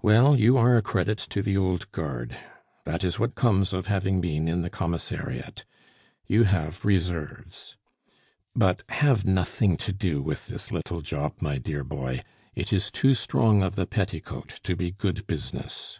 Well, you are a credit to the old Guard. That is what comes of having been in the Commissariat; you have reserves! But have nothing to do with this little job, my dear boy; it is too strong of the petticoat to be good business."